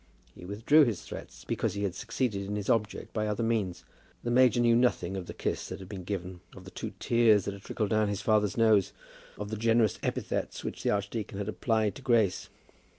He withdrew his threats because he had succeeded in his object by other means. The major knew nothing of the kiss that had been given, of the two tears that had trickled down his father's nose, of the generous epithets which the archdeacon had applied to Grace.